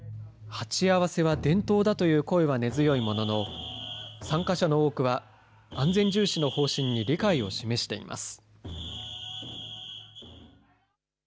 鉢合わせは伝統だという声は根強いものの、参加者の多くは、安全重視の方針に理解を示しています。